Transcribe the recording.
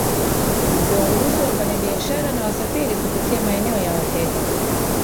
kuwaruhusu wafanyabiashara na wasafiri kupitia maeneo ya wahehe